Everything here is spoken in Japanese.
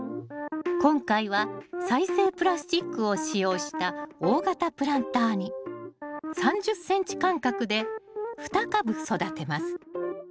今回は再生プラスチックを使用した大型プランターに３０ｃｍ間隔で２株育てます。